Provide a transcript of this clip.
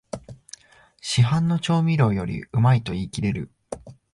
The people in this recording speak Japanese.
市販の調味料よりうまいと言いきれる